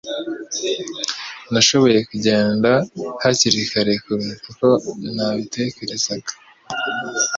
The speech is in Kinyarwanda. Nashoboye kugenda hakiri kare kuruta uko nabitekerezaga.